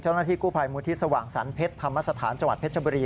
เจ้าหน้าที่กู้ภัยมูลที่สว่างสรรเพชรธรรมสถานจังหวัดเพชรบุรี